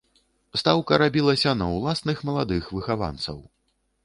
Стаўка рабілася на ўласных маладых выхаванцаў.